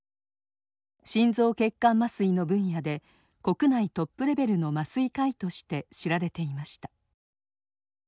心臓血管麻酔の分野で国内トップレベルの麻酔科医として知られていました。